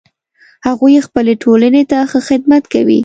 هغوی خپلې ټولنې ته ښه خدمت کوي